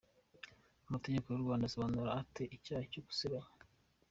Amategeko y’u Rwanda asobanura ate icyaha cyo gusebanya?.